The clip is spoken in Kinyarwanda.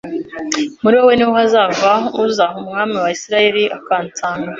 muri wowe ni ho hazava uzaba Umwami wa Isirayeli, akansanga;